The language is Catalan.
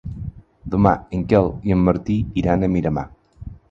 Demà en Quel i en Martí iran a Miramar.